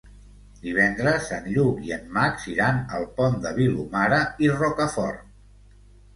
Divendres en Lluc i en Max iran al Pont de Vilomara i Rocafort.